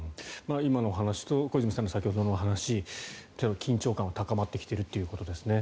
今のお話と小泉さんの先ほどのお話緊張感は高まってきているということですね。